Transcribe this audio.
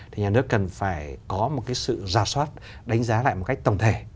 thì nhà nước cần phải có một cái sự giả soát đánh giá lại một cách tổng thể